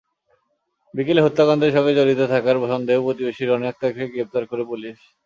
বিকেলে হত্যাকাণ্ডের সঙ্গে জড়িত থাকার সন্দেহে প্রতিবেশী রনি আক্তারকে গ্রেপ্তার করে পুলিশ।